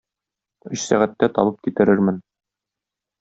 Өч сәгатьтә табып китерермен.